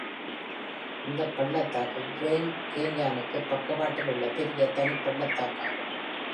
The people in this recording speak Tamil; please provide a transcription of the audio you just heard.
இந்தப் பள்ளத்தாக்கு, கிரேண்ட் கேன்யானுக்கு பக்கவாட்டில் உள்ள பெரிய தனிப் பள்ளத்தாக்காகும்.